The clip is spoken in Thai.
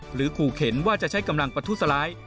ขู่เข็นว่าจะใช้กำลังประทุษร้าย